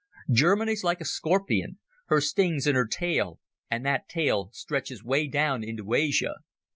Germany's like a scorpion: her sting's in her tail, and that tail stretches way down into Asia.